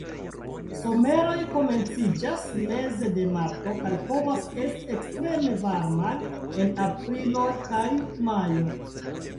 Someroj komenciĝas meze de marto kaj povas esti ekstreme varmaj en aprilo kaj majo.